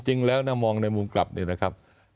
จริงแล้วนะมองในมุมกลับเนี่ยนะครับ